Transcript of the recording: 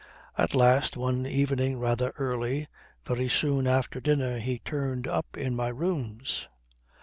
At last, one evening rather early, very soon after dinner, he turned up in my rooms.